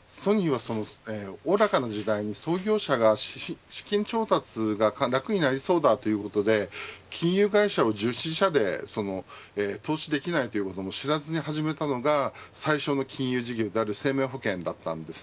ソニーは私の古巣でもありますがソニーはおおらかな時代に創業者が資金調達が楽になりそうだということで金融会社を自社で投資できないことも知らずに始めたのが最初の金融事業である生命保険だったんです。